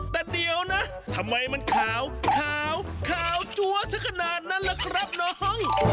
แต่เดี๋ยวนะทำไมมันขาวขาวจัวสักขนาดนั้นล่ะครับน้อง